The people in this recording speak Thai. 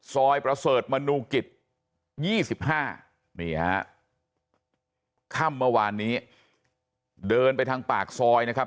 ประเสริฐมนูกิจ๒๕นี่ฮะค่ำเมื่อวานนี้เดินไปทางปากซอยนะครับ